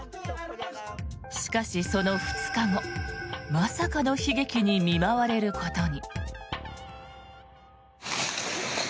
しかし、その２日後まさかの悲劇に見舞われることに。